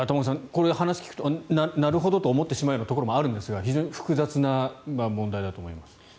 こういう話を聞くとなるほどなと思うところもあるんですが非常に複雑な問題だと思います。